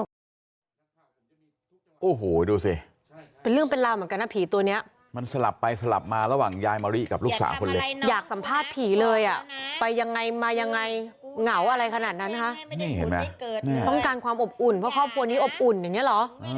ดูดูสิโอ้โฮดูสิเป็นเรื่องเป็นเรื่องเหมือนกันนะผีตัวเนี่ยมันสลับไปสลับมาระหว่างยายมะลูกสาวพันเล็กอยากสัมภาษณ์ปีเลยอ่ะไปยังไงมายังไงเหงาอะไรขนาดนั้นฮะว่าการความอบอุ่นว่าความกับความรู้สึกอย่างเนี่ยหรอ